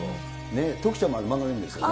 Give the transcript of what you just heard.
徳ちゃんも漫画読んでるんですよね。